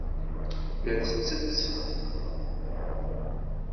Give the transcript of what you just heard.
La tettett.